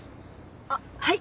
あっはい！